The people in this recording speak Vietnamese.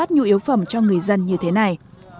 nhu yếu phẩm cho người dân như thế này